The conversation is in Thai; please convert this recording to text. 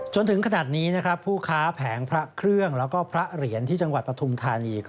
จนถึงขนาดนี้นะครับผู้ค้าแผงพระเครื่องแล้วก็พระเหรียญที่จังหวัดปฐุมธานี